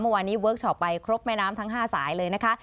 เมื่อวานนี้เวิร์คชอปไปครบแม่น้ำทั้ง๕สายเลยนะคะ